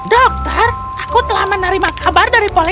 dokter aku telah menerima kabar dari polis